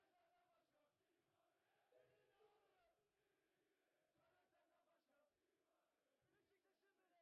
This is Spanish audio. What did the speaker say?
Actualmente el templo es manejado por descendientes de los habitantes originales.